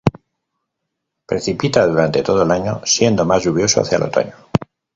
Precipita durante todo el año siendo más lluvioso hacia el otoño.